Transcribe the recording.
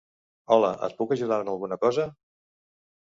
Hola, et puc ajudar en alguna cosa?